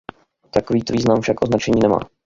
Takovýto význam však označení nemá.